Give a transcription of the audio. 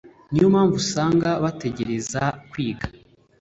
niyo mpamvu usanga batagerageza kwiga